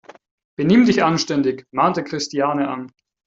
"Benimm dich anständig!", mahnte Christiane an.